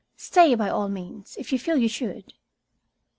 Stay, by all means, if you feel you should."